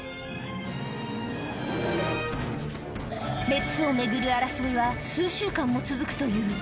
メスを巡る争いは数週間も続くという。